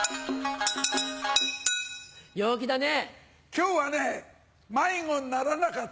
陽気だね！